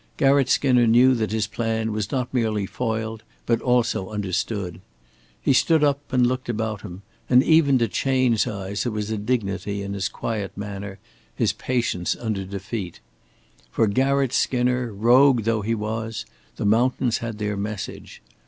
Garratt Skinner knew that his plan was not merely foiled, but also understood. He stood up and looked about him, and even to Chayne's eyes there was a dignity in his quiet manner, his patience under defeat. For Garratt Skinner, rogue though he was, the mountains had their message.